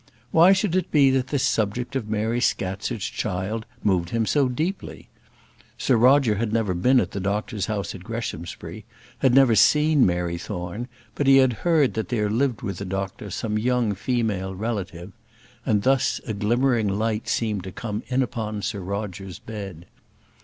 Why should it be that this subject of Mary Scatcherd's child moved him so deeply? Sir Roger had never been at the doctor's house at Greshamsbury, had never seen Mary Thorne, but he had heard that there lived with the doctor some young female relative; and thus a glimmering light seemed to come in upon Sir Roger's bed.